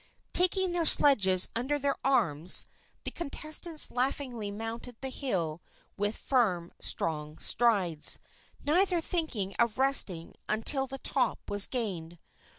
Taking their sledges under their arms, the contestants laughingly mounted the hill with firm, strong strides, neither thinking of resting until the top was gained.